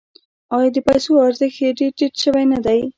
آیا د پیسو ارزښت یې ډیر ټیټ شوی نه دی؟